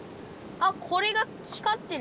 あっこれが光ってる。